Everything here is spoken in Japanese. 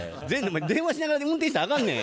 電話しながら運転したらあかんねん。